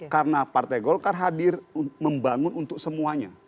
karena partai golkar hadir membangun untuk semuanya